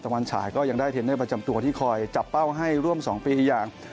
วันฉายก็ยังได้เทรนเนอร์ประจำตัวที่คอยจับเป้าให้ร่วม๒ปีอย่าง